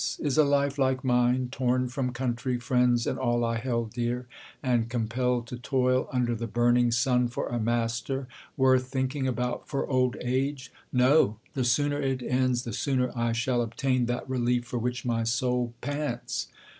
is a life like mine, torn from counay, friends, and all I held dear, and compelled to toil un der the bm'ning sun for a master, worth thinking about for old age ? No ; the sooner it ends, the sooner 1 shall obtain that relief for which my soul pants.